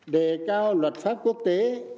để cao luật pháp quốc tế